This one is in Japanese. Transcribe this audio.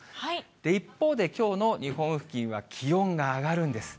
一方できょうの日本付近は気温が上がるんです。